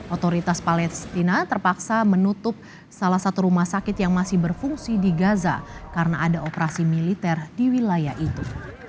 otoritas palestina terpaksa menutup salah satu rumah sakit yang masih berfungsi di gaza karena ada operasi militer di wilayah itu